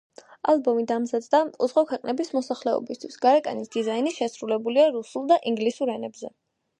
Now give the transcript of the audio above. ალბომი დამზადდა უცხო ქვეყნების მოსახლეობისთვის, გარეკანის დიზაინი შესრულებულია რუსულ და ინგლისურ ენებზე.